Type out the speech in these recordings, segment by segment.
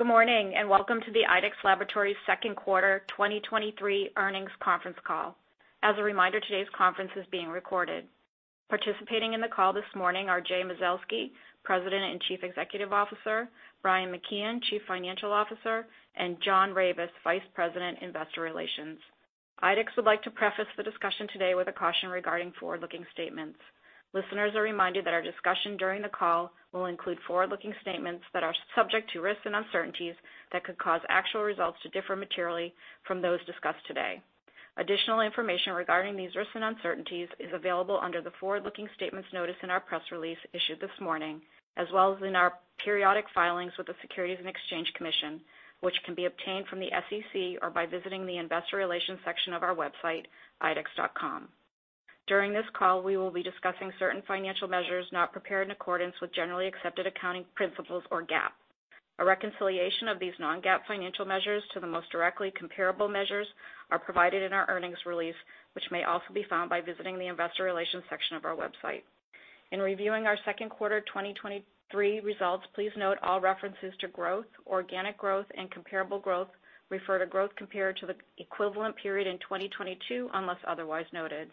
Good morning, welcome to the IDEXX Laboratories second quarter 2023 earnings conference call. As a reminder, today's conference is being recorded. Participating in the call this morning are Jay Mazelsky, President and Chief Executive Officer; Brian McKeon, Chief Financial Officer; and John Ravis, Vice President, Investor Relations. IDEXX would like to preface the discussion today with a caution regarding forward-looking statements. Listeners are reminded that our discussion during the call will include forward-looking statements that are subject to risks and uncertainties that could cause actual results to differ materially from those discussed today. Additional information regarding these risks and uncertainties is available under the forward-looking statements notice in our press release issued this morning, as well as in our periodic filings with the Securities and Exchange Commission, which can be obtained from the SEC or by visiting the investor relations section of our website, idexx.com. During this call, we will be discussing certain financial measures not prepared in accordance with generally accepted accounting principles or GAAP. A reconciliation of these non-GAAP financial measures to the most directly comparable measures are provided in our earnings release, which may also be found by visiting the investor relations section of our website. In reviewing our second quarter 2023 results, please note all references to growth, organic growth, and comparable growth refer to growth compared to the equivalent period in 2022, unless otherwise noted.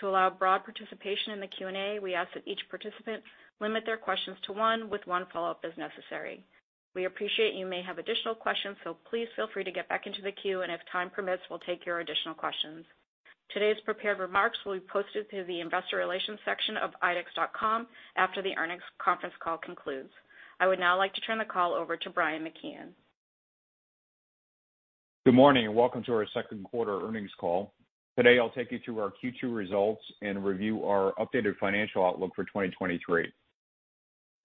To allow broad participation in the Q&A, we ask that each participant limit their questions to one, with one follow-up as necessary. We appreciate you may have additional questions, so please feel free to get back into the queue, and if time permits, we'll take your additional questions. Today's prepared remarks will be posted to the investor relations section of idexx.com after the earnings conference call concludes. I would now like to turn the call over to Brian McKeon. Good morning, welcome to our second quarter earnings call. Today, I'll take you through our Q2 results and review our updated financial outlook for 2023.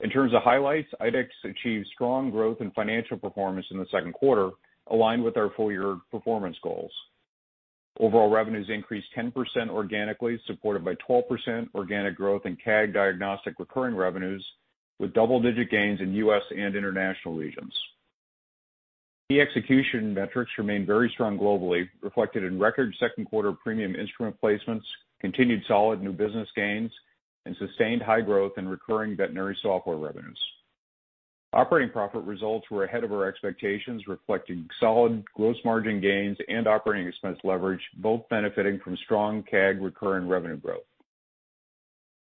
In terms of highlights, IDEXX achieved strong growth and financial performance in the second quarter, aligned with our full-year performance goals. Overall revenues increased 10% organically, supported by 12% organic growth in CAG Diagnostic recurring revenues, with double-digit gains in US and international regions. The execution metrics remained very strong globally, reflected in record second quarter premium instrument placements, continued solid new business gains, and sustained high growth in recurring veterinary software revenues. Operating profit results were ahead of our expectations, reflecting solid gross margin gains and operating expense leverage, both benefiting from strong CAG recurring revenue growth.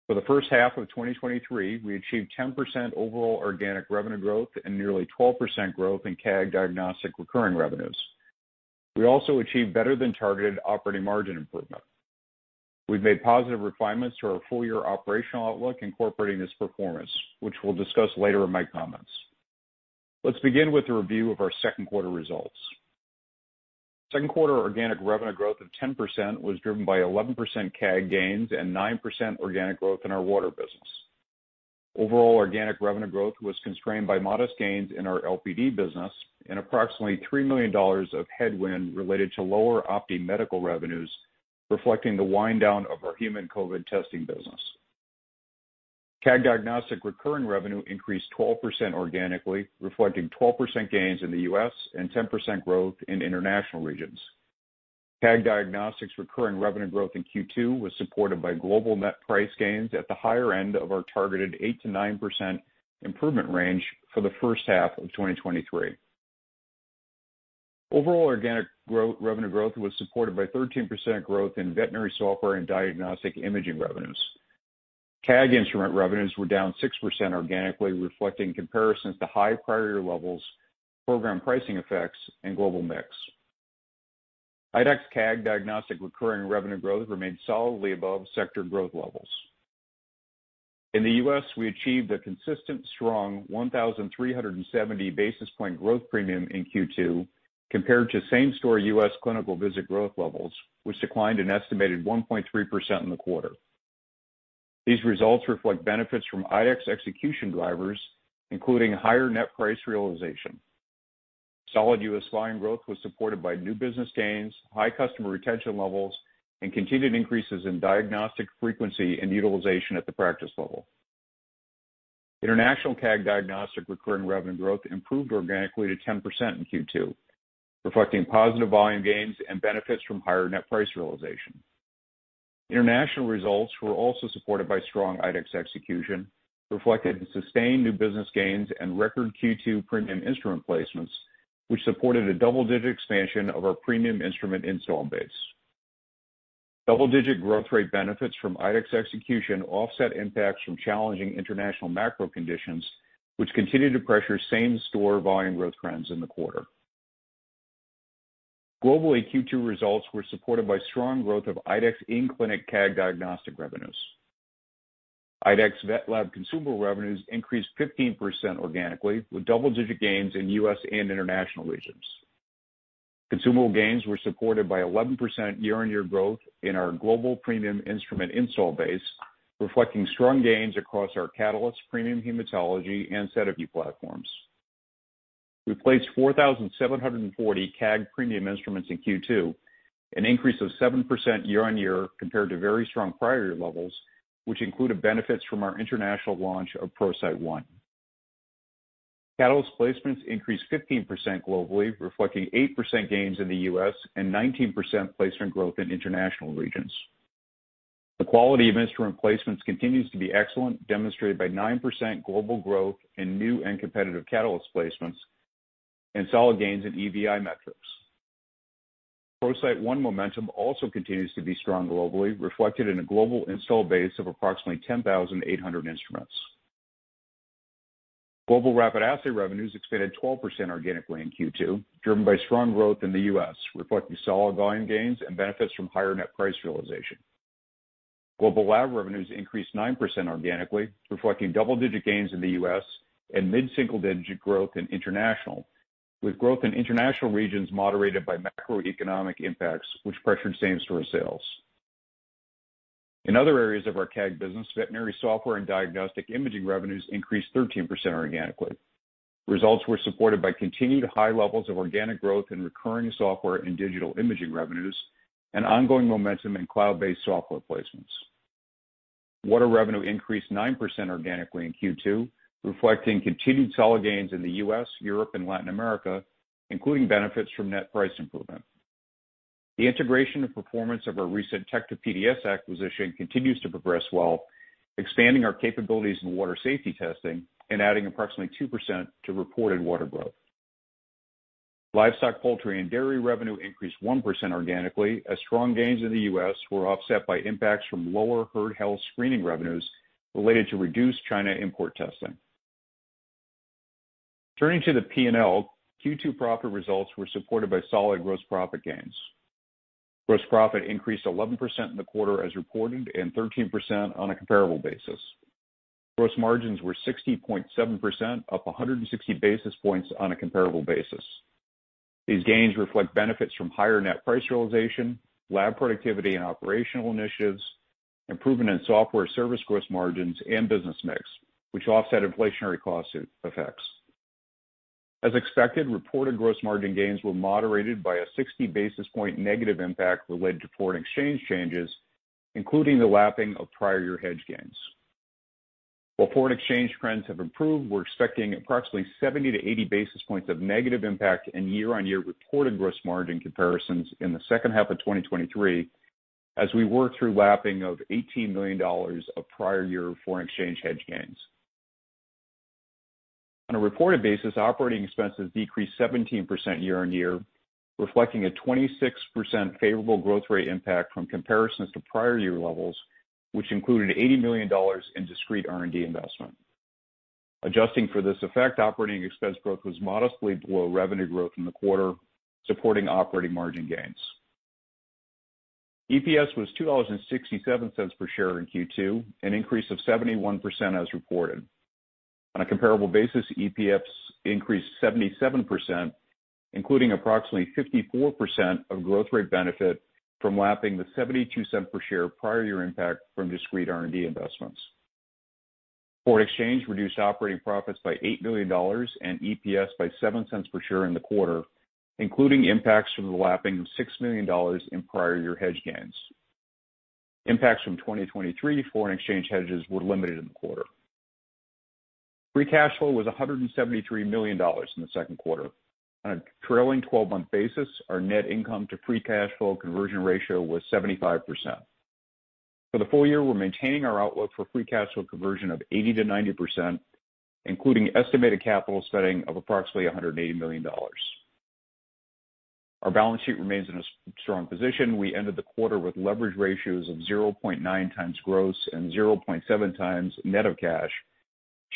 For the first half of 2023, we achieved 10% overall organic revenue growth and nearly 12% growth in CAG Diagnostic recurring revenues. We also achieved better than targeted operating margin improvement. We've made positive refinements to our full-year operational outlook incorporating this performance, which we'll discuss later in my comments. Let's begin with a review of our second quarter results. Second quarter organic revenue growth of 10% was driven by 11% CAG gains and 9% organic growth in our water business. Overall organic revenue growth was constrained by modest gains in our LPD business and approximately $3 million of headwind related to lower OPTI Medical revenues, reflecting the wind down of our human COVID testing business. CAG Diagnostic recurring revenue increased 12% organically, reflecting 12% gains in the U.S. and 10% growth in international regions. CAG Diagnostics recurring revenue growth in Q2 was supported by global net price gains at the higher end of our targeted 8%-9% improvement range for the first half of 2023. Overall organic growth, revenue growth was supported by 13% growth in veterinary software and diagnostic imaging revenues. CAG instrument revenues were down 6% organically, reflecting comparisons to high prior year levels, program pricing effects, and global mix. IDEXX CAG Diagnostic recurring revenue growth remained solidly above sector growth levels. In the US, we achieved a consistent, strong 1,370 basis point growth premium in Q2 compared to same-store U.S. clinical visit growth levels, which declined an estimated 1.3% in the quarter. These results reflect benefits from IDEXX execution drivers, including higher net price realization. Solid U.S. volume growth was supported by new business gains, high customer retention levels, and continued increases in diagnostic frequency and utilization at the practice level. International CAG Diagnostic recurring revenues growth improved organically to 10% in Q2, reflecting positive volume gains and benefits from higher net price realization. International results were also supported by strong IDEXX execution, reflected in sustained new business gains and record Q2 premium instrument placements, which supported a double-digit expansion of our premium instrument install base. Double-digit growth rate benefits from IDEXX execution offset impacts from challenging international macro conditions, which continued to pressure same-store volume growth trends in the quarter. Globally, Q2 results were supported by strong growth of IDEXX in-clinic CAG Diagnostic revenues. IDEXX VetLab consumable revenues increased 15% organically, with double-digit gains in U.S. and international regions. Consumable gains were supported by 11% year-on-year growth in our global premium instrument install base, reflecting strong gains across our Catalyst premium hematology and set of new platforms. We placed 4,740 CAG premium instruments in Q2, an increase of 7% year-on-year compared to very strong prior year levels, which included benefits from our international launch of ProCyte One. Catalyst placements increased 15% globally, reflecting 8% gains in the U.S. and 19% placement growth in international regions. The quality of instrument placements continues to be excellent, demonstrated by 9% global growth in new and competitive Catalyst placements and solid gains in EVI metrics. ProCyte One momentum also continues to be strong globally, reflected in a global install base of approximately 10,800 instruments. Global rapid assay revenues expanded 12% organically in Q2, driven by strong growth in the U.S., reflecting solid volume gains and benefits from higher net price realization. Global lab revenues increased 9% organically, reflecting double-digit gains in the U.S. and mid-single-digit growth in international, with growth in international regions moderated by macroeconomic impacts, which pressured same-store sales. In other areas of our CAG business, veterinary software and diagnostic imaging revenues increased 13% organically. Results were supported by continued high levels of organic growth in recurring software and digital imaging revenues, and ongoing momentum in cloud-based software placements. Water revenue increased 9% organically in Q2, reflecting continued solid gains in the U.S., Europe, and Latin America, including benefits from net price improvement. The integration and performance of our recent Tecta-PDS acquisition continues to progress well, expanding our capabilities in water safety testing and adding approximately 2% to reported water growth. Livestock, poultry, and dairy revenue increased 1% organically, as strong gains in the U.S. were offset by impacts from lower herd health screening revenues related to reduced China import testing. Turning to the P&L, Q2 profit results were supported by solid gross profit gains. Gross profit increased 11% in the quarter as reported, and 13% on a comparable basis. Gross margins were 60.7%, up 160 basis points on a comparable basis. These gains reflect benefits from higher net price realization, lab productivity and operational initiatives, improvement in software service gross margins and business mix, which offset inflationary cost effects. As expected, reported gross margin gains were moderated by a 60 basis point negative impact related to foreign exchange changes, including the lapping of prior year hedge gains. While foreign exchange trends have improved, we're expecting approximately 70-80 basis points of negative impact in year-on-year reported gross margin comparisons in the second half of 2023, as we work through lapping of $18 million of prior year foreign exchange hedge gains. On a reported basis, operating expenses decreased 17% year-on-year, reflecting a 26% favorable growth rate impact from comparisons to prior year levels, which included $80 million in discrete R&D investment. Adjusting for this effect, operating expense growth was modestly below revenue growth in the quarter, supporting operating margin gains. EPS was $2.67 per share in Q2, an increase of 71% as reported. On a comparable basis, EPS increased 77%, including approximately 54% of growth rate benefit from lapping the $0.72 per share prior year impact from discrete R&D investments. Foreign exchange reduced operating profits by $8 million and EPS by $0.07 per share in the quarter, including impacts from the lapping of $6 million in prior year hedge gains. Impacts from 2023 foreign exchange hedges were limited in the quarter. Free cash flow was $173 million in the second quarter. On a trailing 12-month basis, our net income to free cash flow conversion ratio was 75%. For the full year, we're maintaining our outlook for free cash flow conversion of 80%-90%, including estimated capital spending of approximately $180 million. Our balance sheet remains in a strong position. We ended the quarter with leverage ratios of 0.9x gross and 0.7x net of cash.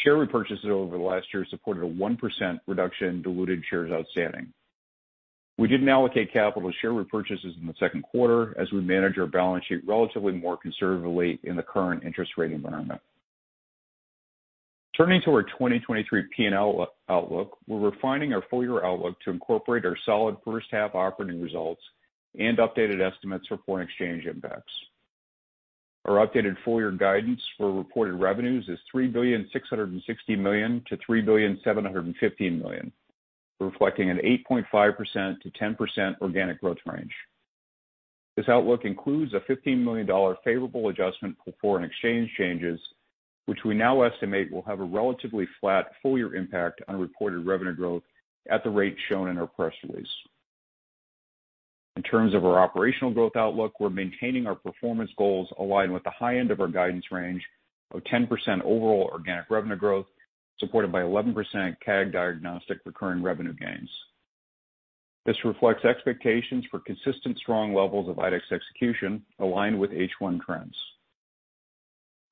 Share repurchases over the last year supported a 1% reduction in diluted shares outstanding. We didn't allocate capital to share repurchases in the second quarter, as we managed our balance sheet relatively more conservatively in the current interest rate environment. Turning to our 2023 P&L outlook, we're refining our full-year outlook to incorporate our solid first half operating results and updated estimates for foreign exchange impacts. Our updated full-year guidance for reported revenues is $3.66 billion-$3.715 billion, reflecting an 8.5%-10% organic growth range. This outlook includes a $15 million favorable adjustment for foreign exchange changes, which we now estimate will have a relatively flat full-year impact on reported revenue growth at the rate shown in our press release. In terms of our operational growth outlook, we're maintaining our performance goals aligned with the high end of our guidance range of 10% overall organic revenue growth, supported by 11% CAG Diagnostic recurring revenue gains. This reflects expectations for consistent, strong levels of IDEXX execution aligned with H1 trends.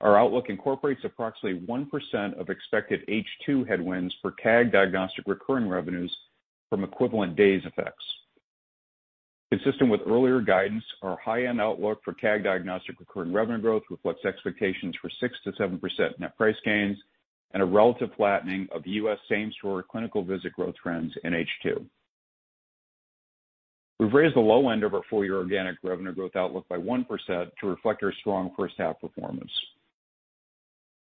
Our outlook incorporates approximately 1% of expected H2 headwinds for CAG Diagnostic recurring revenues from equivalent days effects. Consistent with earlier guidance, our high-end outlook for CAG Diagnostic recurring revenue growth reflects expectations for 6%-7% net price gains and a relative flattening of U.S. same-store clinical visit growth trends in H2. We've raised the low end of our full-year organic revenue growth outlook by 1% to reflect our strong first half performance.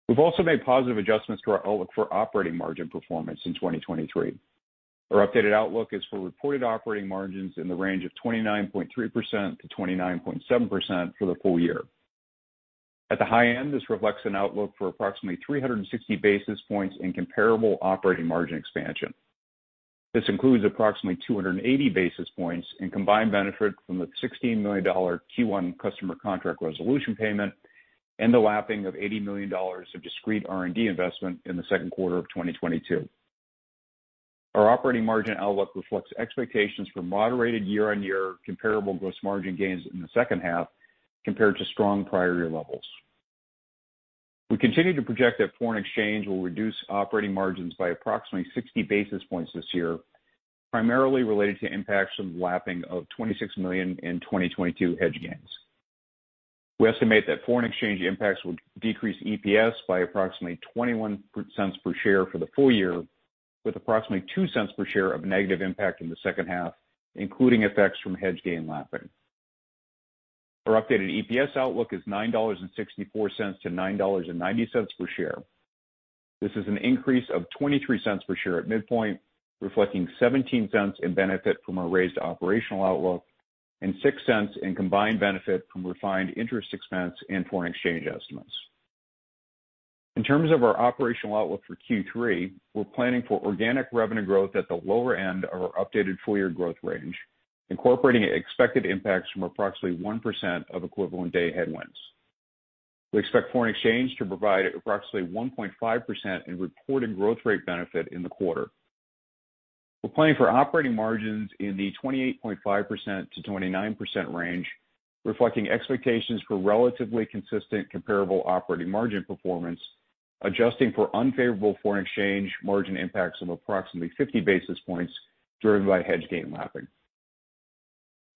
We've also made positive adjustments to our outlook for operating margin performance in 2023. Our updated outlook is for reported operating margins in the range of 29.3%-29.7% for the full year. At the high end, this reflects an outlook for approximately 360 basis points in comparable operating margin expansion. This includes approximately 280 basis points in combined benefit from the $16 million Q1 customer contract resolution payment and the lapping of $80 million of discrete R&D investment in the second quarter of 2022. Our operating margin outlook reflects expectations for moderated year-on-year comparable gross margin gains in the second half compared to strong prior year levels. We continue to project that foreign exchange will reduce operating margins by approximately 60 basis points this year, primarily related to impacts from the lapping of $26 million in 2022 hedge gains. We estimate that foreign exchange impacts will decrease EPS by approximately $0.21 per share for the full year, with approximately $0.02 per share of negative impact in the second half, including effects from hedge gain lapping. Our updated EPS outlook is $9.64-$9.90 per share. This is an increase of $0.23 per share at midpoint, reflecting $0.17 in benefit from our raised operational outlook and $0.06 in combined benefit from refined interest expense and foreign exchange estimates. In terms of our operational outlook for Q3, we're planning for organic revenue growth at the lower end of our updated full-year growth range, incorporating expected impacts from approximately 1% of equivalent day headwinds. We expect foreign exchange to provide approximately 1.5% in reported growth rate benefit in the quarter. We're planning for operating margins in the 28.5%-29% range, reflecting expectations for relatively consistent comparable operating margin performance, adjusting for unfavorable foreign exchange margin impacts of approximately 50 basis points, driven by hedge gain lapping.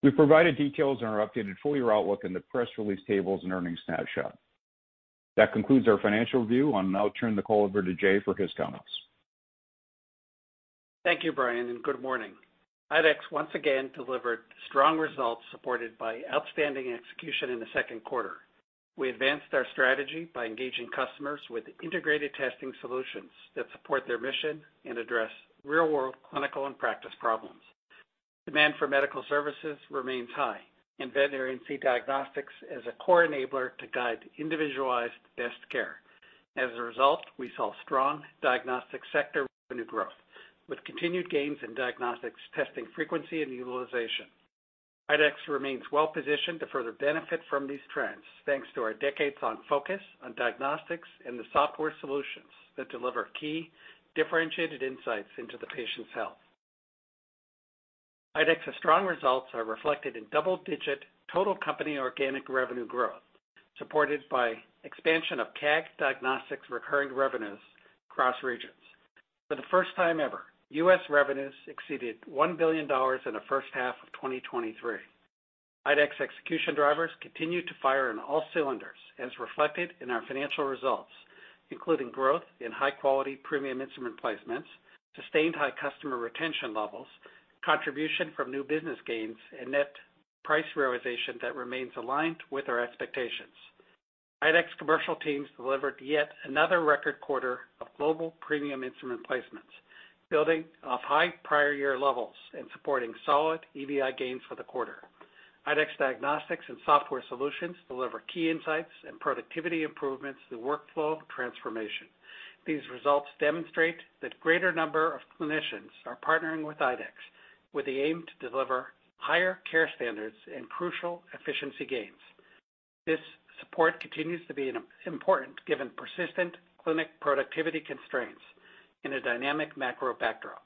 We've provided details on our updated full-year outlook in the press release tables and earnings snapshot. That concludes our financial review. I'll now turn the call over to Jay for his comments. Thank you, Brian, and good morning. IDEXX once again delivered strong results, supported by outstanding execution in the second quarter. We advanced our strategy by engaging customers with integrated testing solutions that support their mission and address real-world clinical and practice problems. Demand for medical services remains high, and veterinarians see diagnostics as a core enabler to guide individualized best care. As a result, we saw strong diagnostic sector revenue growth, with continued gains in diagnostics, testing frequency, and utilization. IDEXX remains well-positioned to further benefit from these trends, thanks to our decades-long focus on diagnostics and the software solutions that deliver key differentiated insights into the patient's health. IDEXX's strong results are reflected in double-digit total company organic revenue growth, supported by expansion of CAG Diagnostic recurring revenues across regions. For the first time ever, U.S. revenues exceeded $1 billion in the first half of 2023. IDEXX execution drivers continued to fire on all cylinders, as reflected in our financial results, including growth in high-quality premium instrument placements, sustained high customer retention levels, contribution from new business gains, and net price realization that remains aligned with our expectations. IDEXX commercial teams delivered yet another record quarter of global premium instrument placements, building off high prior year levels and supporting solid EVI gains for the quarter. IDEXX Diagnostics and software solutions deliver key insights and productivity improvements through workflow transformation. These results demonstrate that greater number of clinicians are partnering with IDEXX, with the aim to deliver higher care standards and crucial efficiency gains. This support continues to be important given persistent clinic productivity constraints in a dynamic macro backdrop.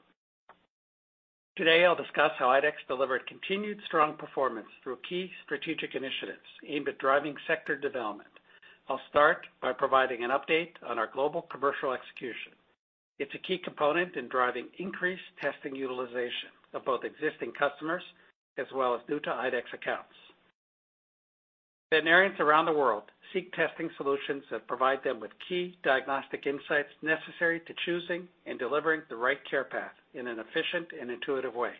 Today, I'll discuss how IDEXX delivered continued strong performance through key strategic initiatives aimed at driving sector development. I'll start by providing an update on our global commercial execution. It's a key component in driving increased testing utilization of both existing customers as well as new to IDEXX accounts. Veterinarians around the world seek testing solutions that provide them with key diagnostic insights necessary to choosing and delivering the right care path in an efficient and intuitive way.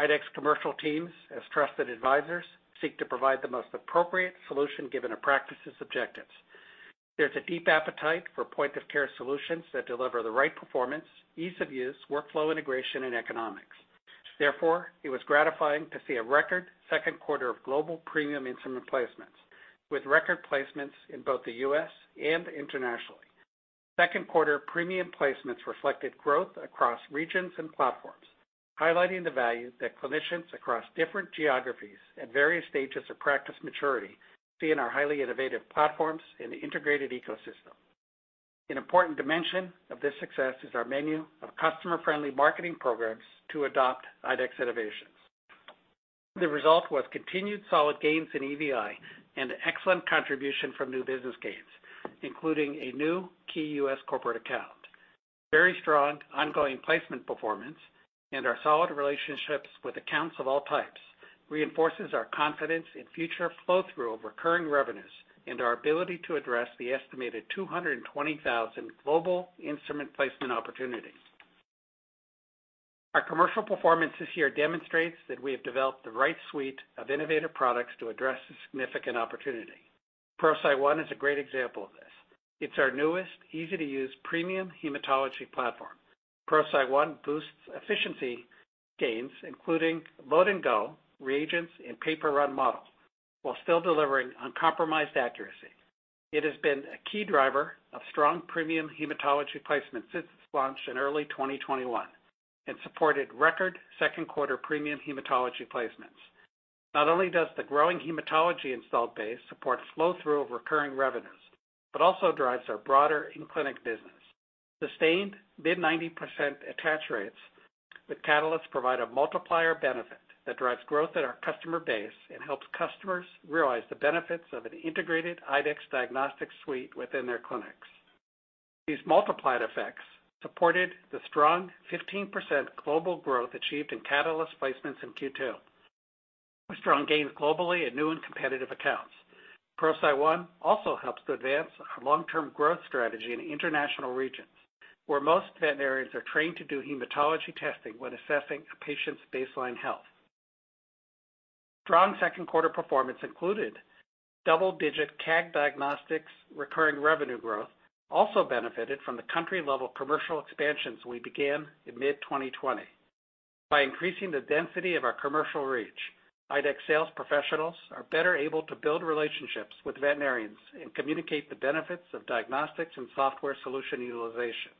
IDEXX commercial teams, as trusted advisors, seek to provide the most appropriate solution given a practice's objectives. There's a deep appetite for point-of-care solutions that deliver the right performance, ease of use, workflow integration, and economics. Therefore, it was gratifying to see a record second quarter of global premium instrument placements, with record placements in both the U.S. and internationally. Second quarter premium placements reflected growth across regions and platforms, highlighting the value that clinicians across different geographies at various stages of practice maturity see in our highly innovative platforms and integrated ecosystem. An important dimension of this success is our menu of customer-friendly marketing programs to adopt IDEXX innovations. The result was continued solid gains in EVI and excellent contribution from new business gains, including a new key U.S. corporate account. Very strong ongoing placement performance and our solid relationships with accounts of all types reinforces our confidence in future flow-through of recurring revenues and our ability to address the estimated 220,000 global instrument placement opportunities. Our commercial performance this year demonstrates that we have developed the right suite of innovative products to address this significant opportunity. ProCyte One is a great example of this. It's our newest, easy-to-use, premium hematology platform. ProCyte One boosts efficiency. Gains, including load and go, reagents, and paper run models, while still delivering uncompromised accuracy. It has been a key driver of strong premium hematology placement since its launch in early 2021, and supported record second quarter premium hematology placements. Not only does the growing hematology installed base support flow-through of recurring revenues, but also drives our broader in-clinic business. Sustained mid-90% attach rates with Catalyst provide a multiplier benefit that drives growth at our customer base and helps customers realize the benefits of an integrated IDEXX diagnostic suite within their clinics. These multiplied effects supported the strong 15% global growth achieved in Catalyst placements in Q2, with strong gains globally in new and competitive accounts. ProCyte One also helps to advance our long-term growth strategy in international regions, where most veterinarians are trained to do hematology testing when assessing a patient's baseline health. Strong second quarter performance included double-digit CAG diagnostics recurring revenue growth, also benefited from the country-level commercial expansions we began in mid-2020. By increasing the density of our commercial reach, IDEXX sales professionals are better able to build relationships with veterinarians and communicate the benefits of diagnostics and software solution utilization,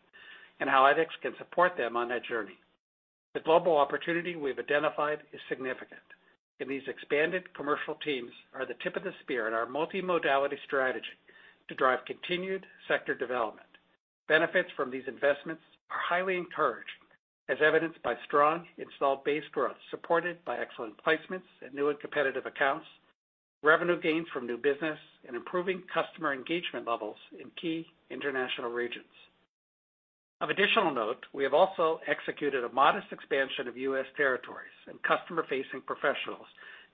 and how IDEXX can support them on that journey. The global opportunity we've identified is significant, and these expanded commercial teams are the tip of the spear in our multimodality strategy to drive continued sector development. Benefits from these investments are highly encouraged, as evidenced by strong installed base growth, supported by excellent placements in new and competitive accounts, revenue gains from new business, and improving customer engagement levels in key international regions. Of additional note, we have also executed a modest expansion of U.S. territories and customer-facing professionals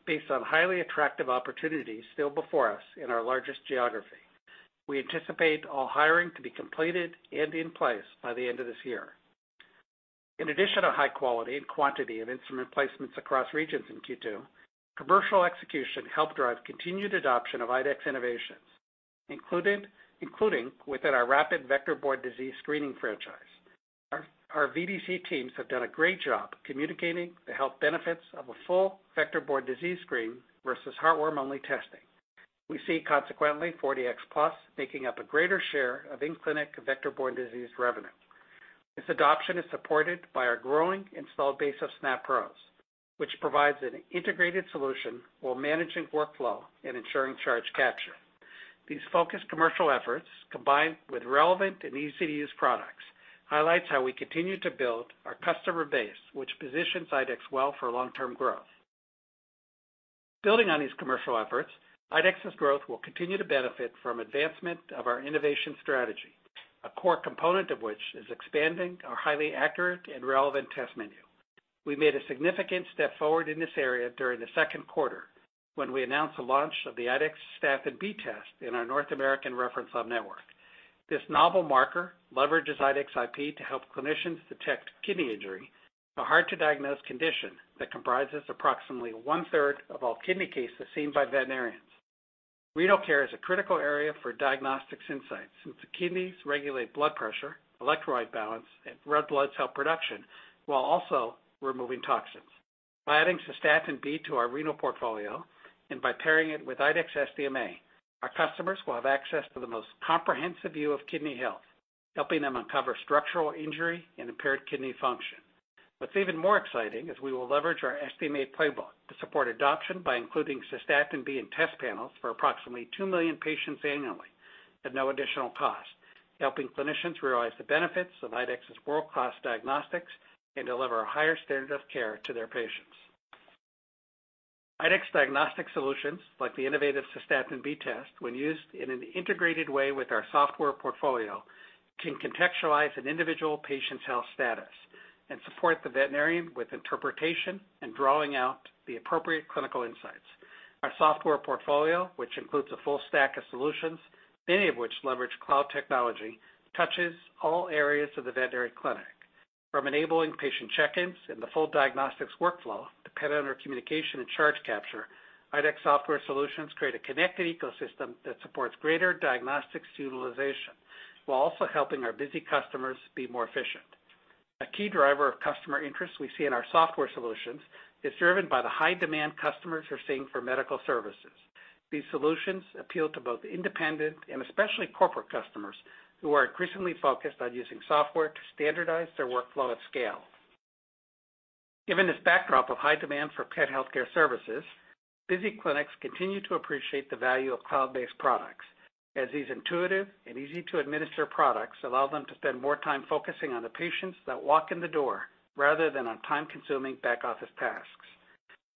based on highly attractive opportunities still before us in our largest geography. We anticipate all hiring to be completed and in place by the end of this year. In addition to high quality and quantity of instrument placements across regions in Q2, commercial execution helped drive continued adoption of IDEXX innovations, including within our rapid vector-borne disease screening franchise. Our VDC teams have done a great job communicating the health benefits of a full vector-borne disease screen versus heartworm-only testing. We see, consequently, 4Dx Plus making up a greater share of in-clinic vector-borne disease revenue. This adoption is supported by our growing installed base of SNAP Pros, which provides an integrated solution while managing workflow and ensuring charge capture. These focused commercial efforts, combined with relevant and easy-to-use products, highlights how we continue to build our customer base, which positions IDEXX well for long-term growth. Building on these commercial efforts, IDEXX's growth will continue to benefit from advancement of our innovation strategy, a core component of which is expanding our highly accurate and relevant test menu. We made a significant step forward in this area during the second quarter, when we announced the launch of the IDEXX Cystatin B test in our North American Reference Lab network. This novel marker leverages IDEXX IP to help clinicians detect kidney injury, a hard-to-diagnose condition that comprises approximately one-third of all kidney cases seen by veterinarians. Renal care is a critical area for diagnostics insights, since the kidneys regulate blood pressure, electrolyte balance, and red blood cell production, while also removing toxins. By adding Cystatin B to our renal portfolio, and by pairing it with IDEXX SDMA, our customers will have access to the most comprehensive view of kidney health, helping them uncover structural injury and impaired kidney function. What's even more exciting is we will leverage our SDMA playbook to support adoption by including Cystatin B in test panels for approximately two million patients annually at no additional cost, helping clinicians realize the benefits of IDEXX's world-class diagnostics and deliver a higher standard of care to their patients. IDEXX diagnostic solutions, like the innovative Cystatin B test, when used in an integrated way with our software portfolio, can contextualize an individual patient's health status and support the veterinarian with interpretation and drawing out the appropriate clinical insights. Our software portfolio, which includes a full stack of solutions, many of which leverage cloud technology, touches all areas of the veterinary clinic. From enabling patient check-ins and the full diagnostics workflow to pet owner communication and charge capture, IDEXX software solutions create a connected ecosystem that supports greater diagnostics utilization, while also helping our busy customers be more efficient. A key driver of customer interest we see in our software solutions is driven by the high demand customers are seeing for medical services. These solutions appeal to both independent and especially corporate customers, who are increasingly focused on using software to standardize their workflow at scale. Given this backdrop of high demand for pet healthcare services, busy clinics continue to appreciate the value of cloud-based products, as these intuitive and easy-to-administer products allow them to spend more time focusing on the patients that walk in the door, rather than on time-consuming back-office tasks.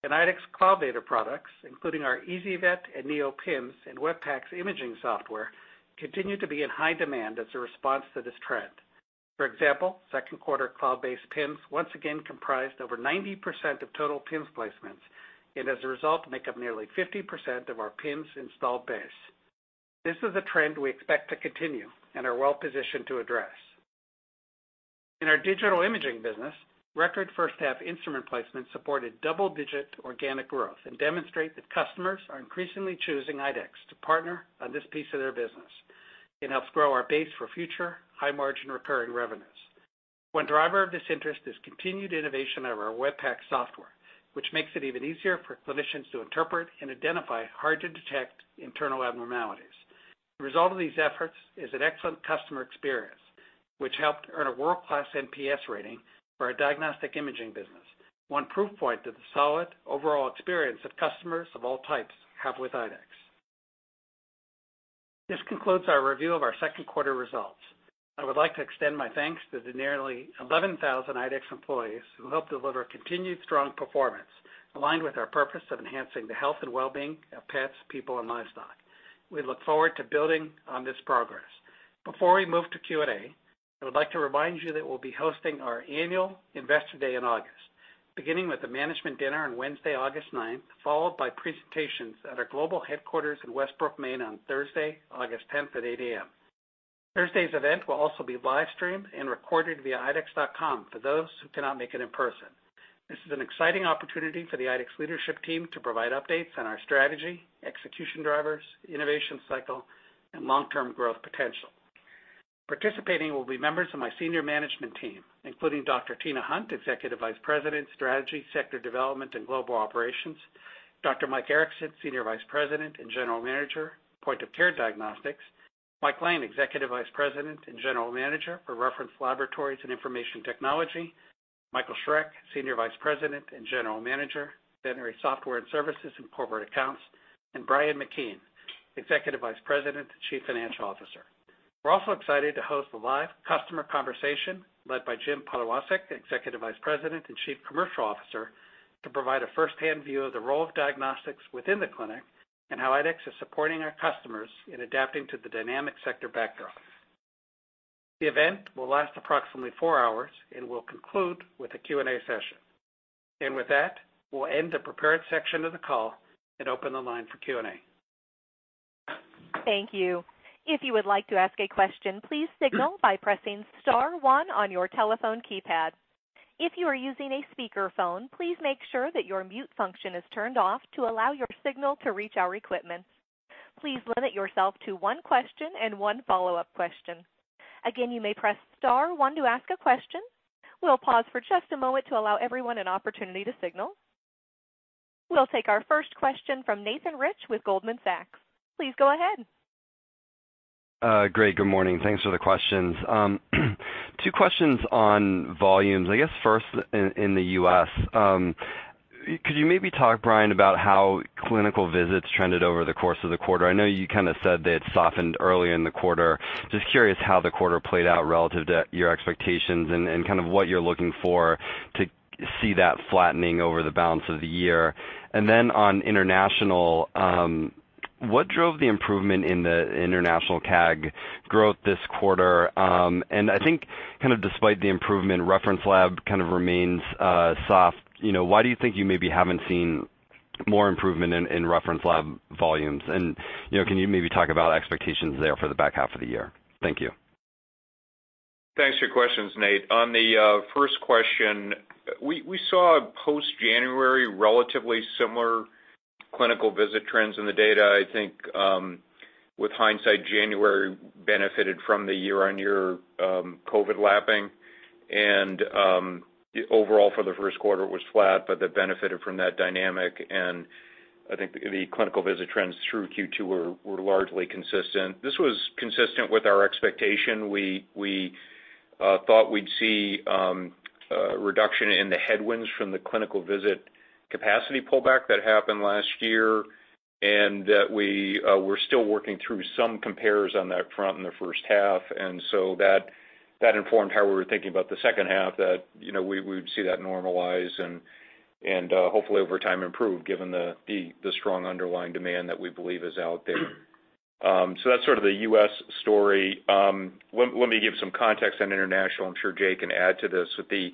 In IDEXX cloud data products, including our ezyVet and IDEXX Neo PIMS and IDEXX Web PACS imaging software, continue to be in high demand as a response to this trend. For example, second quarter cloud-based PIMS once again comprised over 90% of total PIMS placements, and as a result, make up nearly 50% of our PIMS installed base. This is a trend we expect to continue and are well positioned to address. In our digital imaging business, record first-half instrument placements supported double-digit organic growth and demonstrate that customers are increasingly choosing IDEXX to partner on this piece of their business, and helps grow our base for future high-margin recurring revenues. One driver of this interest is continued innovation of our IDEXX Web PACS software, which makes it even easier for clinicians to interpret and identify hard-to-detect internal abnormalities. The result of these efforts is an excellent customer experience, which helped earn a world-class NPS rating for our diagnostic imaging business. One proof point that the solid overall experience that customers of all types have with IDEXX. This concludes our review of our second quarter results. I would like to extend my thanks to the nearly 11,000 IDEXX employees who helped deliver continued strong performance, aligned with our purpose of enhancing the health and well-being of pets, people, and livestock. We look forward to building on this progress. Before we move to Q&A, I would like to remind you that we'll be hosting our annual Investor Day in August, beginning with the management dinner on Wednesday, August 9th, followed by presentations at our global headquarters in Westbrook, Maine, on Thursday, August 10th, at 8:00 A.M. Thursday's event will also be live-streamed and recorded via idexx.com for those who cannot make it in person. This is an exciting opportunity for the IDEXX leadership team to provide updates on our strategy, execution drivers, innovation cycle, and long-term growth potential. Participating will be members of my senior management team, including Dr. Tina Hunt, Executive Vice President, Strategy, Sector Development, and Global Operations, Dr. Mike Erickson, Senior Vice President and General Manager, Point of Care Diagnostics, Mike Lane, Executive Vice President and General Manager for Reference Laboratories and Information Technology, Michael Schreck, Senior Vice President and General Manager, Veterinary Software and Services and Corporate Accounts, and Brian McKeon, Executive Vice President and Chief Financial Officer. We're also excited to host a live customer conversation led by Jim Polewaczyk, Executive Vice President and Chief Commercial Officer, to provide a firsthand view of the role of diagnostics within the clinic and how IDEXX is supporting our customers in adapting to the dynamic sector backdrop. The event will last approximately four hours and will conclude with a Q&A session. With that, we'll end the prepared section of the call and open the line for Q&A. Thank you. If you would like to ask a question, please signal by pressing star one on your telephone keypad. If you are using a speakerphone, please make sure that your mute function is turned off to allow your signal to reach our equipment. Please limit yourself to one question and one follow-up question. Again, you may press star one to ask a question. We'll pause for just a moment to allow everyone an opportunity to signal. We'll take our first question from Nathan Rich with Goldman Sachs. Please go ahead. Great. Good morning. Thanks for the questions. Two questions on volumes, I guess first in, in the U.S.. Could you maybe talk, Brian, about how clinical visits trended over the course of the quarter? I know you kind of said they had softened earlier in the quarter. Just curious how the quarter played out relative to your expectations and, and kind of what you're looking for to see that flattening over the balance of the year. Then on international, what drove the improvement in the international CAG growth this quarter? I think kind of despite the improvement, reference lab kind of remains soft. You know, why do you think you maybe haven't seen more improvement in, in reference lab volumes? You know, can you maybe talk about expectations there for the back half of the year? Thank you. Thanks for your questions, Nate. On the first question, we saw a post-January, relatively similar clinical visit trends in the data. I think, with hindsight, January benefited from the year-on-year COVID lapping, and overall for the first quarter, it was flat, but that benefited from that dynamic. I think the clinical visit trends through Q2 were largely consistent. This was consistent with our expectation. We thought we'd see a reduction in the headwinds from the clinical visit capacity pullback that happened last year, and that we're still working through some compares on that front in the first half. That, that informed how we were thinking about the second half, that, you know, we, we would see that normalize and, and hopefully over time, improve given the, the, the strong underlying demand that we believe is out there. That's sort of the U.S. story. Let, let me give some context on international. I'm sure Jay can add to this, but the,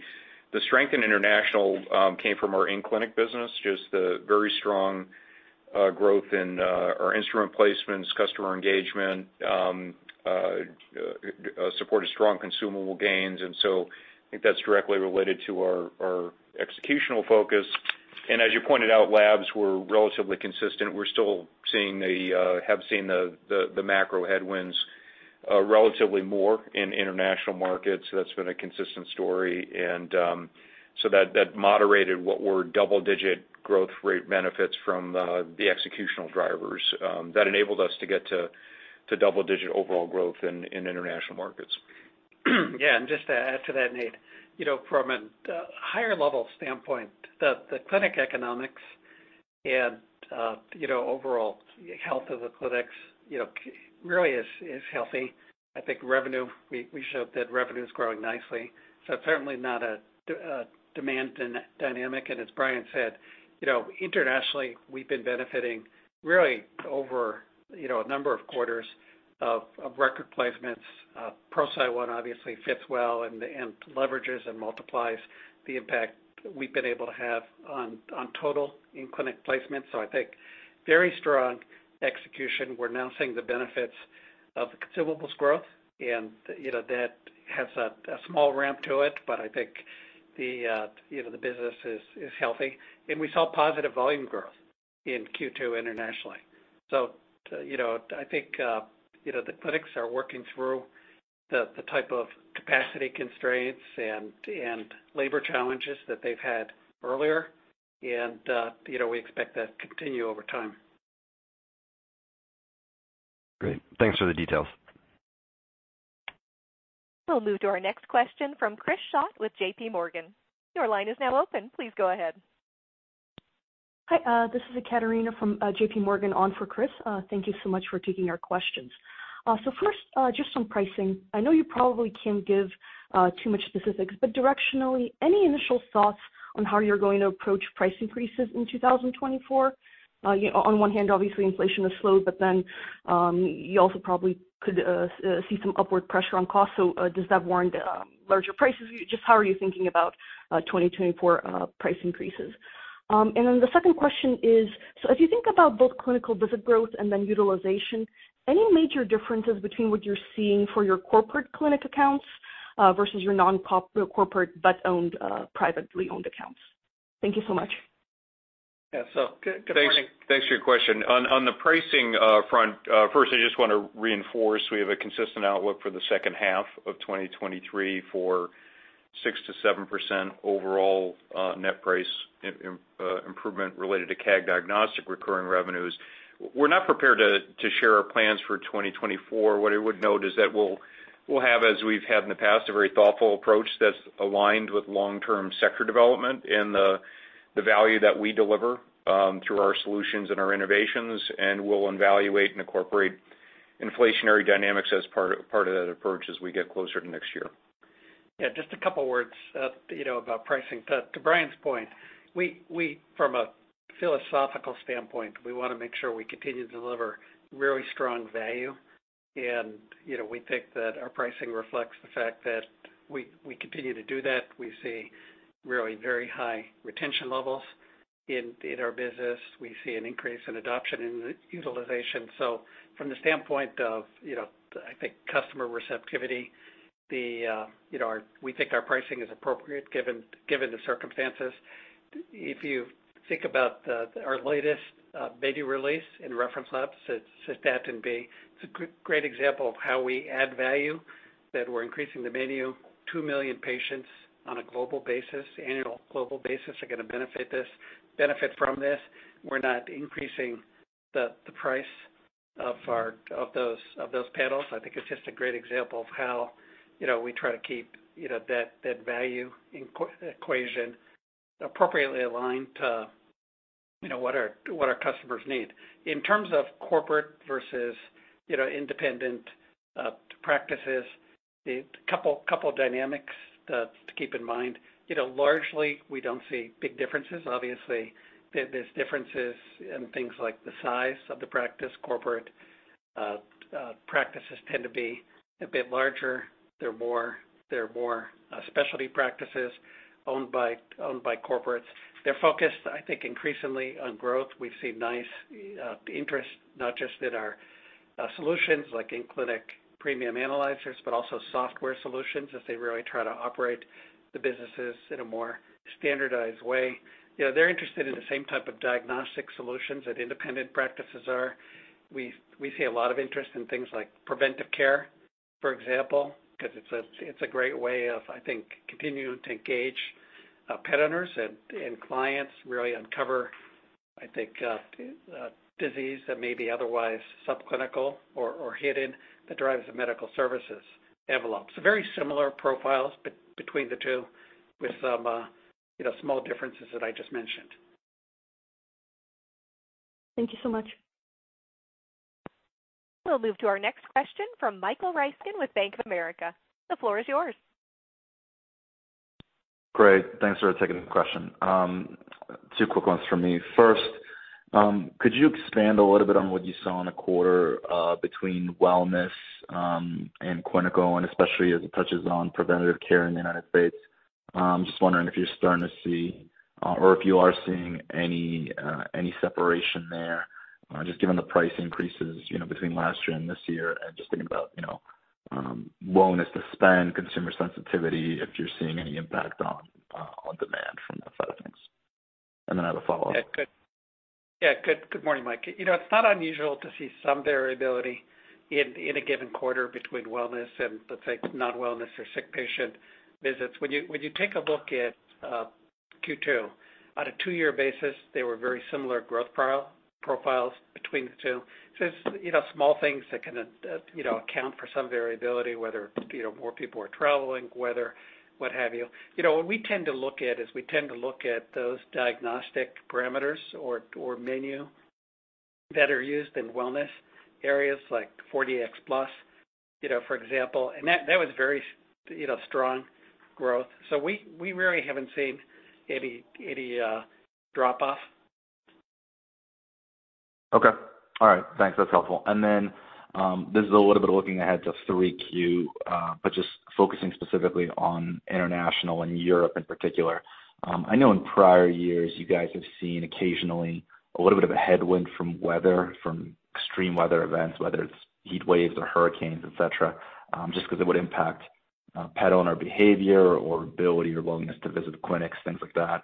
the strength in international came from our in-clinic business, just the very strong growth in our instrument placements, customer engagement, supported strong consumable gains, and so I think that's directly related to our, our executional focus. As you pointed out, labs were relatively consistent. We're still seeing the, have seen the, the, the macro headwinds, relatively more in international markets. That's been a consistent story. That, that moderated what were double-digit growth rate benefits from the executional drivers that enabled us to get to, to double-digit overall growth in international markets. Just to add to that, Nate, you know, from a higher-level standpoint, the clinic economics and, you know, overall health of the clinics, you know, really is healthy. I think revenue, we, we showed that revenue is growing nicely, so certainly not a demand dynamic. As Brian said, you know, internationally, we've been benefiting really over, you know, a number of quarters of record placements. ProCyte One obviously fits well and leverages and multiplies the impact we've been able to have on total in-clinic placements. I think very strong execution. We're now seeing the benefits of the consumables growth, and, you know, that has a small ramp to it, but I think the business is healthy, and we saw positive volume growth in Q2 internationally. You know, I think, you know, the clinics are working through the, the type of capacity constraints and, and labor challenges that they've had earlier. You know, we expect that to continue over time. Great. Thanks for the details. We'll move to our next question from Chris Schott with J.P. Morgan. Your line is now open. Please go ahead. Hi, this is Ekaterina from J.P. Morgan on for Chris. Thank you so much for taking our questions. First, just on pricing. I know you probably can't give too much specifics, but directionally, any initial thoughts on how you're going to approach price increases in 2024? You know, on one hand, obviously inflation has slowed, but then, you also probably could see some upward pressure on costs. Does that warrant larger prices? Just how are you thinking about 2024 price increases? Then the second question is: if you think about both clinical visit growth and then utilization, any major differences between what you're seeing for your corporate clinic accounts versus your non-corporate, but owned, privately owned accounts? Thank you so much. Yeah. Good morning. Thanks, thanks for your question. On, on the pricing front, first, I just wanna reinforce, we have a consistent outlook for the second half of 2023 for 6%-7% overall net price improvement related to CAG Diagnostic recurring revenues. We're not prepared to share our plans for 2024. What I would note is that we'll have, as we've had in the past, a very thoughtful approach that's aligned with long-term sector development and the value that we deliver through our solutions and our innovations, and we'll evaluate and incorporate inflationary dynamics as part of that approach as we get closer to next year. Yeah, just a couple words, you know, about pricing. To Brian's point, we from a philosophical standpoint, we wanna make sure we continue to deliver really strong value. You know, we think that our pricing reflects the fact that we continue to do that. We see really very high retention levels in our business. We see an increase in adoption and utilization. So from the standpoint of, you know, I think customer receptivity, we think our pricing is appropriate given the circumstances. If you think about the, our latest, menu release in reference labs, it's that and B. It's a great example of how we add value, that we're increasing the menu. two million patients on a global basis, annual global basis, are gonna benefit from this. We're not increasing the, the price of our, of those, of those panels. I think it's just a great example of how, you know, we try to keep, you know, that, that value equation appropriately aligned to, you know, what our, what our customers need. In terms of corporate versus, you know, independent practices, a couple dynamics to keep in mind. You know, largely, we don't see big differences. Obviously, there, there's differences in things like the size of the practice. Corporate practices tend to be a bit larger. They're more specialty practices owned by corporates. They're focused, I think, increasingly on growth. We've seen nice interest, not just in our solutions, like in-clinic premium analyzers, but also software solutions, as they really try to operate the businesses in a more standardized way. You know, they're interested in the same type of diagnostic solutions that independent practices are. We, we see a lot of interest in things like preventive care, for example, 'cause it's a, it's a great way of, I think, continuing to engage, pet owners and, and clients, really uncover, I think, disease that may be otherwise subclinical or, or hidden, that drives the medical services envelope. Very similar profiles be-between the two, with some, you know, small differences that I just mentioned. Thank you so much. We'll move to our next question from Michael Ryskin with Bank of America. The floor is yours. Great, thanks for taking the question. Two quick ones from me. First, could you expand a little bit on what you saw in the quarter, between wellness, and clinical, and especially as it touches on preventative care in the United States? Just wondering if you're starting to see, or if you are seeing any, any separation there, just given the price increases, you know, between last year and this year, and just thinking about, you know, willingness to spend, consumer sensitivity, if you're seeing any impact on demand from those side of things. Then I have a follow-up. Yeah, good. Yeah, good, good morning, Mike. You know, it's not unusual to see some variability in a given quarter between wellness and, let's say, non-wellness or sick patient visits. When you take a look at Q2, on a two-year basis, they were very similar growth profile, profiles between the two. It's, you know, small things that can, you know, account for some variability, whether, you know, more people are traveling, weather, what have you. You know, what we tend to look at is we tend to look at those diagnostic parameters or menu that are used in wellness areas like 4Dx Plus, you know, for example, and that was very, you know, strong growth. We really haven't seen any drop-off. Okay. All right. Thanks. That's helpful. Then, this is a little bit of looking ahead to 3Q, just focusing specifically on international and Europe in particular. I know in prior years, you guys have seen occasionally a little bit of a headwind from weather, from extreme weather events, whether it's heat waves or hurricanes, et cetera, just because it would impact pet owner behavior or ability or willingness to visit clinics, things like that.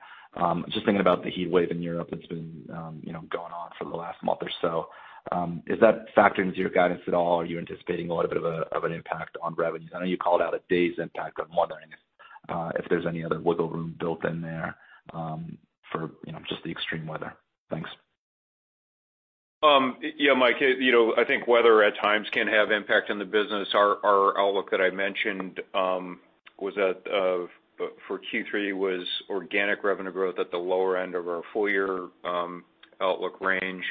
Just thinking about the heat wave in Europe that's been, you know, going on for the last month or so. Is that factored into your guidance at all? Are you anticipating a little bit of an impact on revenues? I know you called out a day's impact. I'm wondering if, if there's any other wiggle room built in there, for, you know, just the extreme weather? Thanks. Yeah, Mike, you know, I think weather at times can have impact on the business. Our, our outlook that I mentioned, was that of, for Q3 was organic revenue growth at the lower end of our full year, outlook range,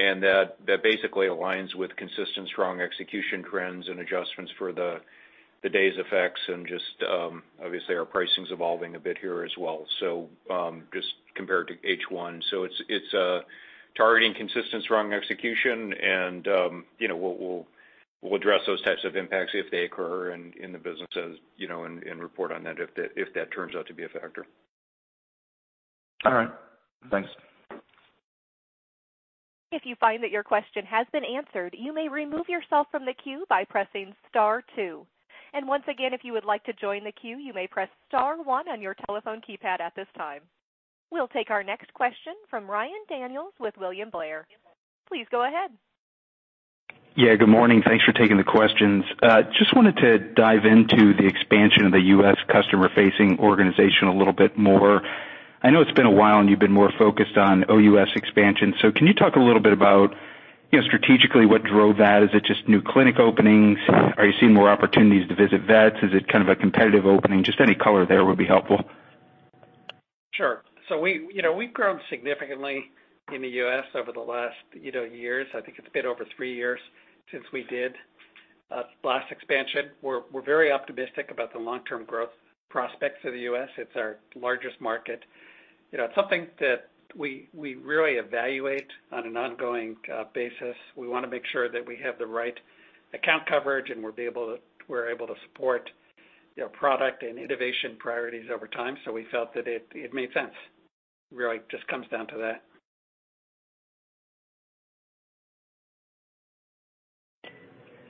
and that, that basically aligns with consistent, strong execution trends and adjustments for the, the days effects and just, obviously, our pricing's evolving a bit here as well. Just compared to H1. It's, it's targeting consistent, strong execution and, you know, we'll, we'll, we'll address those types of impacts if they occur in, in the business, as, you know, and, and report on that, if that, if that turns out to be a factor. All right. Thanks. If you find that your question has been answered, you may remove yourself from the queue by pressing star two. Once again, if you would like to join the queue, you may press star one on your telephone keypad at this time. We'll take our next question from Ryan Daniels with William Blair. Please go ahead. Yeah, good morning. Thanks for taking the questions. Just wanted to dive into the expansion of the U.S. customer-facing organization a little bit more. I know it's been a while, and you've been more focused on OUS expansion. Can you talk a little bit about, you know, strategically, what drove that? Is it just new clinic openings? Are you seeing more opportunities to visit vets? Is it kind of a competitive opening? Just any color there would be helpful. Sure. We- you know, we've grown significantly in the U.S. over the last, you know, years. I think it's a bit over three years since we did a last expansion. We're very optimistic about the long-term growth prospects of the U.S.. It's our largest market. You know, it's something that we really evaluate on an ongoing basis. We want to make sure that we have the right account coverage, and we're be able to- we're able to support, you know, product and innovation priorities over time. We felt that it made sense. Really, it just comes down to that.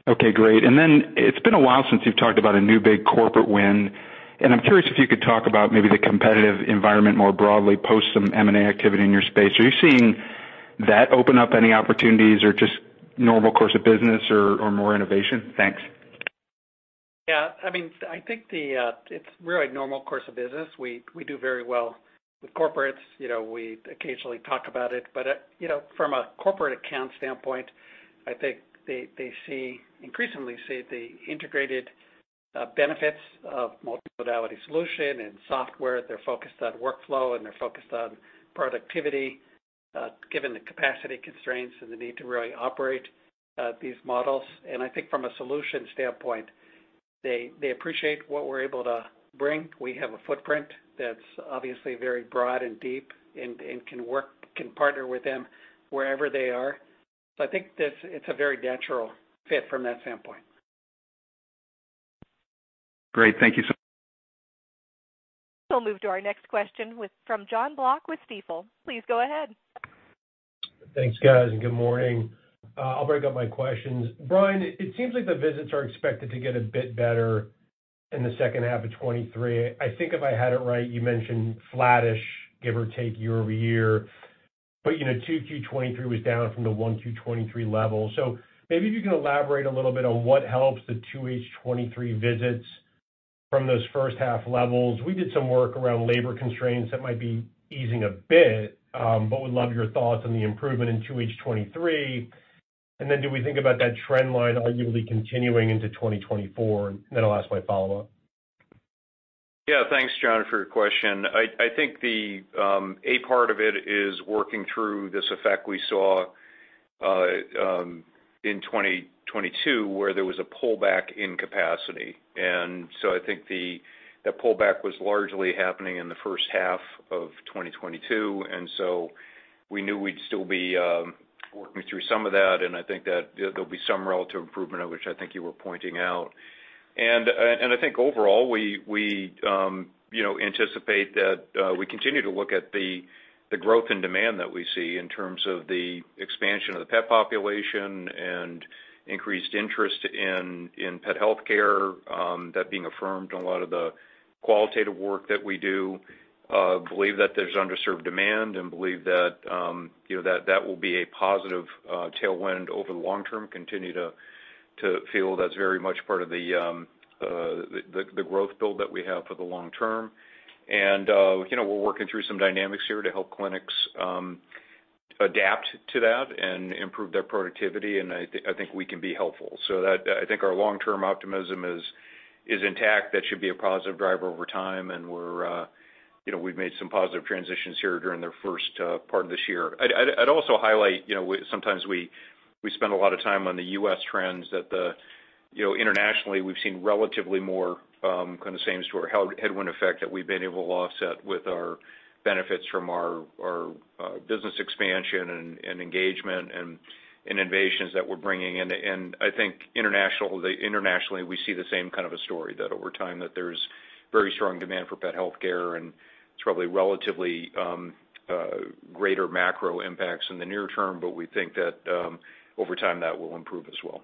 Okay, great. Then it's been a while since you've talked about a new big corporate win, and I'm curious if you could talk about maybe the competitive environment more broadly, post some M&A activity in your space. Are you seeing that open up any opportunities or just normal course of business or, or more innovation? Thanks. Yeah, I mean, I think the, it's really normal course of business. We do very well with corporates. You know, we occasionally talk about it, but, you know, from a corporate account standpoint, I think they, increasingly see the integrated benefits of multimodality solution and software. They're focused on workflow, and they're focused on productivity, given the capacity constraints and the need to really operate these models. I think from a solution standpoint, they appreciate what we're able to bring. We have a footprint that's obviously very broad and deep and can partner with them wherever they are. I think that it's a very natural fit from that standpoint. Great. Thank you so- We'll move to our next question from Jon Block with Stifel. Please go ahead. Thanks, guys, and good morning. I'll break up my questions. Brian, it seems like the visits are expected to get a bit better in the second half of 2023. I think if I had it right, you mentioned flattish, give or take, year-over-year, but, you know, 2Q 2023 was down from the 1Q 2023 level. Maybe if you can elaborate a little bit on what helps the 2H 2023 visits from those first half levels. We did some work around labor constraints that might be easing a bit, but would love your thoughts on the improvement in 2H 2023. Do we think about that trend line arguably continuing into 2024? I'll ask my follow-up. Thanks, Jon, for your question. I, I think the a part of it is working through this effect we saw in 2022, where there was a pullback in capacity. So I think that pullback was largely happening in the first half of 2022, and so we knew we'd still be working through some of that, and I think that there'll be some relative improvement, of which I think you were pointing out. I think overall, we, we, you know, anticipate that we continue to look at the, the growth and demand that we see in terms of the expansion of the pet population and increased interest in, in pet healthcare, that being affirmed in a lot of the qualitative work that we do. Believe that there's underserved demand and believe that, you know, that, that will be a positive tailwind over the long term. Continue to feel that's very much part of the, the growth build that we have for the long term. You know, we're working through some dynamics here to help clinics adapt to that and improve their productivity, and I, I think we can be helpful. That- I think our long-term optimism is intact. That should be a positive driver over time, and we're, you know, we've made some positive transitions here during the first part of this year. I'd, I'd, I'd also highlight, you know, we- sometimes we, we spend a lot of time on the U.S. trends that the... You know, internationally, we've seen relatively more, kind of the same story, how headwind effect that we've been able to offset with our benefits from our business expansion and engagement and innovations that we're bringing in. I think internationally, we see the same kind of a story, that over time, there's very strong demand for pet healthcare, and it's probably relatively greater macro impacts in the near term, but we think that over time, that will improve as well.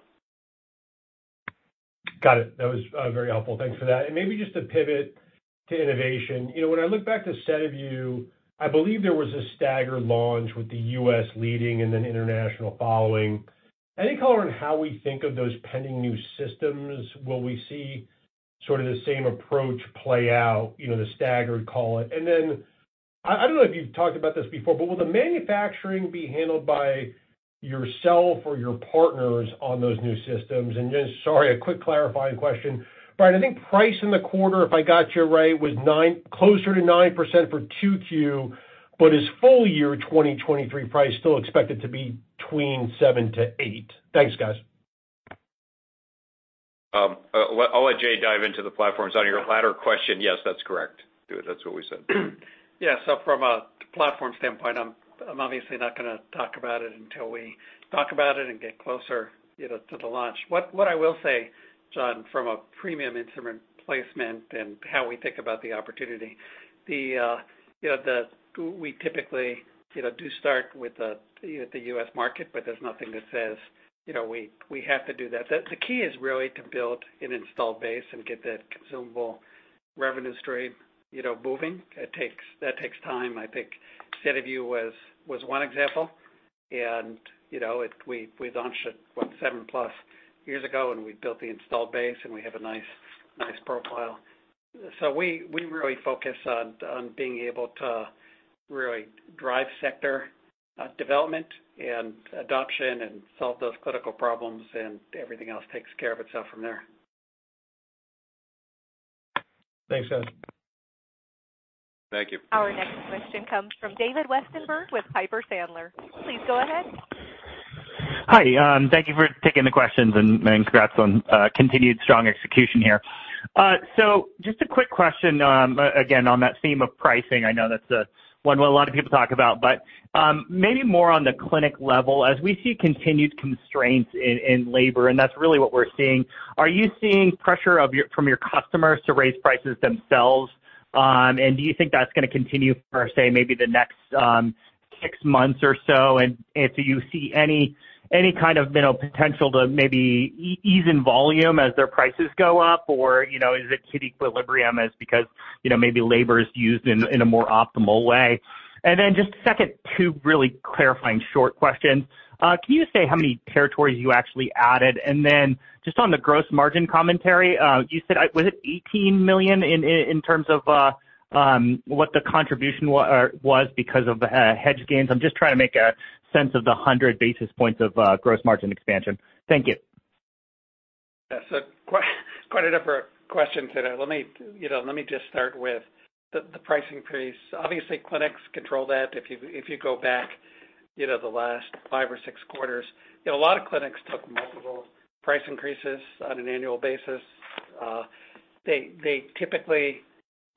Got it. That was very helpful. Thanks for that. Maybe just to pivot to innovation. You know, when I look back to SediVue Dx, I believe there was a staggered launch with the U.S. leading and then international following. Any color on how we think of those pending new systems? Will we see sort of the same approach play out, you know, the staggered call it? Then I, I don't know if you've talked about this before, but will the manufacturing be handled by yourself or your partners on those new systems? Just, sorry, a quick clarifying question. Brian, I think price in the quarter, if I got you right, was closer to 9% for 2Q, but is full year 2023 price still expected to be between 7%-8%? Thanks, guys. Well, I'll let Jay dive into the platforms. On your latter question, yes, that's correct. Dude, that's what we said. From a platform standpoint, I'm obviously not gonna talk about it until we talk about it and get closer, you know, to the launch. What I will say, Jon, from a premium instrument placement and how we think about the opportunity, the, you know, the we typically, you know, do start with the U.S. market, but there's nothing that says, you know, we have to do that. The key is really to build an installed base and get that consumable revenue stream, you know, moving. That takes time. I think SediVue Dx was one example, and, you know, we launched it, what, 7+ years ago, and we built the installed base, and we have a nice profile. We, we really focus on, on being able to really drive sector, development and adoption and solve those clinical problems, and everything else takes care of itself from there. Thanks, guys. Thank you. Our next question comes from David Westenberg with Piper Sandler. Please go ahead. Hi, thank you for taking the questions, and congrats on continued strong execution here. Just a quick question, again, on that theme of pricing. I know that's a, one what a lot of people talk about, but maybe more on the clinic level. As we see continued constraints in, in labor, and that's really what we're seeing, are you seeing pressure of your-- from your customers to raise prices themselves? Do you think that's gonna continue for, say, maybe the next six months or so? Do you see any, any kind of, you know, potential to maybe e-ease in volume as their prices go up? You know, is it hit equilibrium as because, you know, maybe labor is used in, in a more optimal way? Just a second, two really clarifying short questions. Can you just say how many territories you actually added? Just on the gross margin commentary, you said, Was it $18 million in terms of what the contribution or was because of hedge gains? I'm just trying to make a sense of the 100 basis points of gross margin expansion. Thank you. That's a quite a number of questions today. Let me, you know, let me just start with the, the pricing piece. Obviously, clinics control that. If you, if you go back, you know, the last five or six quarters, you know, a lot of clinics took multiple price increases on an annual basis. They, they typically,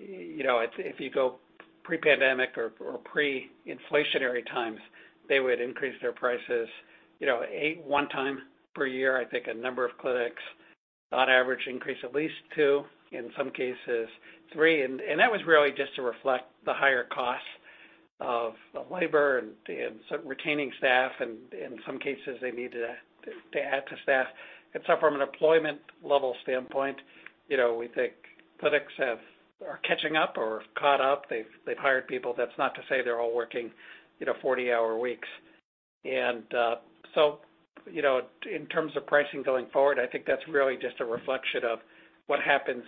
you know, if, if you go pre-pandemic or, or pre-inflationary times, they would increase their prices, you know, one time per year. I think a number of clinics, on average, increase at least two, in some cases, three, and, and that was really just to reflect the higher costs of labor and, and so retaining staff, and in some cases, they needed to add to staff. So from an employment level standpoint, you know, we think clinics have... are catching up or have caught up. They've, they've hired people. That's not to say they're all working, you know, 40-hour weeks. You know, in terms of pricing going forward, I think that's really just a reflection of what happens,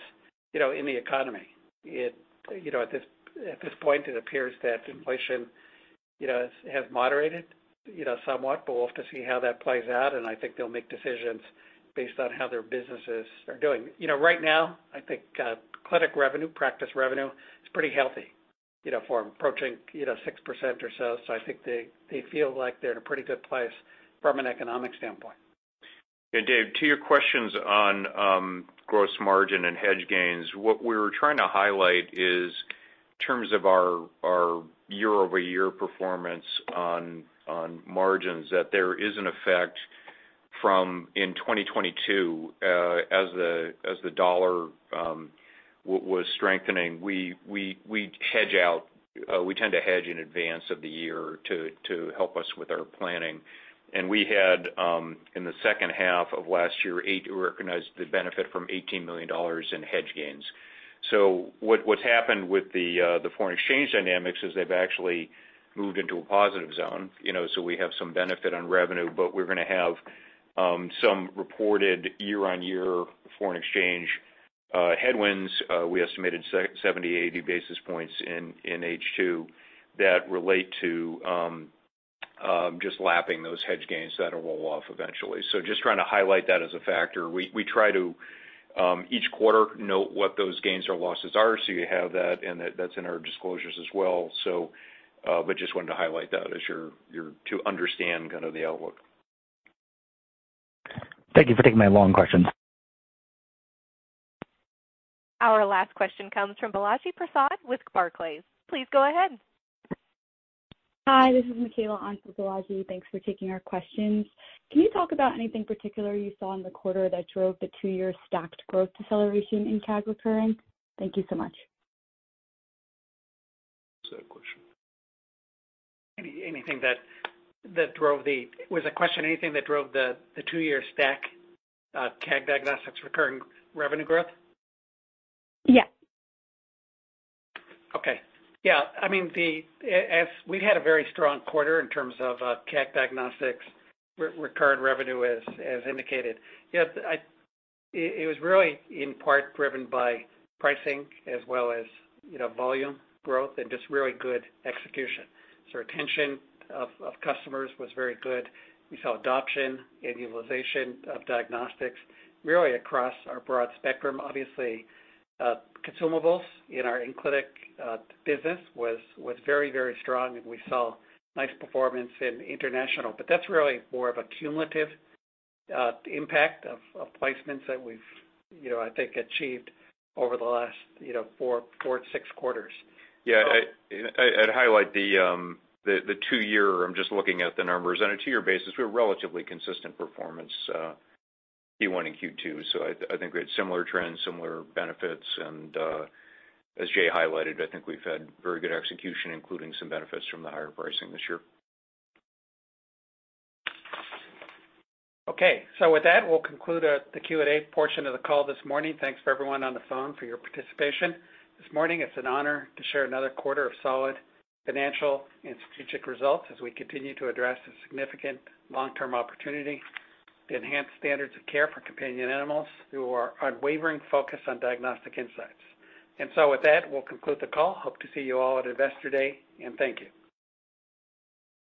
you know, in the economy. You know, at this point, it appears that inflation, you know, has moderated, you know, somewhat, but we'll have to see how that plays out, and I think they'll make decisions based on how their businesses are doing. You know, right now, I think, clinic revenue, practice revenue is pretty healthy, you know, for approaching, you know, 6% or so. I think they, they feel like they're in a pretty good place from an economic standpoint. Dave, to your questions on gross margin and hedge gains, what we were trying to highlight is in terms of our year-over-year performance on margins, that there is an effect from in 2022 as the dollar was strengthening. We, we, we hedge out, we tend to hedge in advance of the year to help us with our planning. We had in the second half of last year, we recognized the benefit from $18 million in hedge gains. What, what's happened with the foreign exchange dynamics is they've actually moved into a positive zone, you know, so we have some benefit on revenue, but we're gonna have some reported year-on-year foreign exchange headwinds. We estimated 70, 80 basis points in H2 that relate to just lapping those hedge gains that'll roll off eventually. Just trying to highlight that as a factor. We, we try to each quarter, note what those gains or losses are, so you have that, and that, that's in our disclosures as well. But just wanted to highlight that as your to understand kind of the outlook. Thank you for taking my long questions. Our last question comes from Balaji Prasad with Barclays. Please go ahead. Hi, this is Micaela on for Balaji. Thanks for taking our questions. Can you talk about anything particular you saw in the quarter that drove the two-year stacked growth deceleration in CAG recurring? Thank you so much. What's that question? Was the question anything that drove the two-year stack CAG Diagnostics recurring revenue growth? Yeah. Okay. Yeah, I mean, the, as we had a very strong quarter in terms of CAG Diagnostics recurring revenue as indicated. Yes, It was really in part driven by pricing as well as, you know, volume growth and just really good execution. Retention of customers was very good. We saw adoption and utilization of diagnostics really across our broad spectrum. Obviously, consumables in our in-clinic business was very, very strong, and we saw nice performance in international. That's really more of a cumulative impact of placements that we've, you know, I think, achieved over the last, you know, four-six quarters. Yeah, I'd highlight the two-year. I'm just looking at the numbers. On a two-year basis, we have relatively consistent performance, Q1 and Q2, so I think we had similar trends, similar benefits, and as Jay highlighted, I think we've had very good execution, including some benefits from the higher pricing this year. Okay, with that, we'll conclude the Q&A portion of the call this morning. Thanks for everyone on the phone for your participation this morning. It's an honor to share another quarter of solid financial and strategic results as we continue to address the significant long-term opportunity to enhance standards of care for companion animals through our unwavering focus on diagnostic insights. With that, we'll conclude the call. Hope to see you all at Investor Day, and thank you.